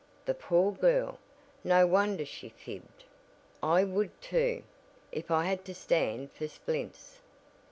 The poor girl, no wonder she fibbed. I would too, if I had to stand for splints."